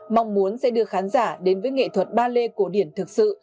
mong muốn sẽ đưa khán giả đến với nghệ thuật ballet cổ điển thực sự